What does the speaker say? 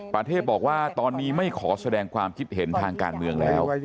ประเทศบอกว่าตอนนี้ไม่ขอแสดงความคิดเห็นทางการเมืองแล้ว